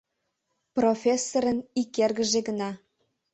Профессорын ик эргыже гына.